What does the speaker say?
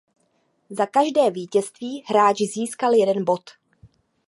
Za každé vítězství hráč získal jeden bod.